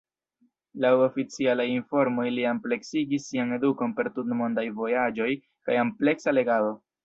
Laŭ oficialaj informoj li ampleksigis sian edukon per tutmondaj vojaĝoj kaj ampleksa legado.